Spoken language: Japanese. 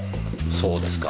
そうですか。